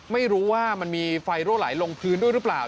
ไม่รู้ว่ามันมีไฟรั่วไหลลงพื้นด้วยหรือเปล่า